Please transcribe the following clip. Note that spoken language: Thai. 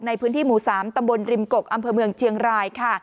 ในพื้นที่หมู่๓ตำบลริมกกอำเภอเมืองเชียงรายค่ะ